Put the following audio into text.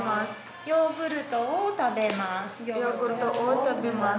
ヨーグルトを食べます。